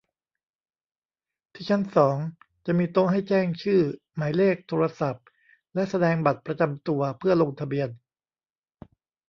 ที่ชั้นสอง จะมีโต๊ะให้แจ้งชื่อ หมายเลขโทรศัพท์ และแสดงบัตรประจำตัว เพื่อลงทะเบียน